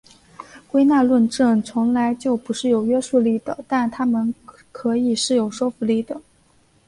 归纳论证从来就不是有约束力的但它们可以是有说服力的。